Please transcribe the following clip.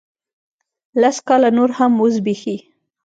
لس کاله نور هم وزبیښي